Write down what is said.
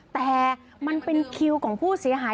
แต่มันเป็นคิวของผู้เสียหาย